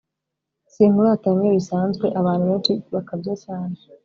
Sinkurata bimwe bisanzweAbantu benshi bakabya cyane